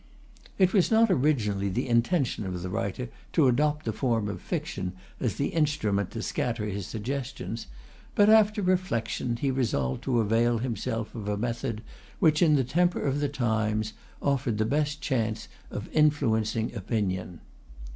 It was not originally the intention of the writer to adopt the form of fiction as the instrument to scatter his suggestions, but, after reflection, he resolved to avail himself of a method which, in the temper of the times, offered the best chance of influencing opinion.